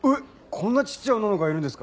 こんなちっちゃい女の子がいるんですか？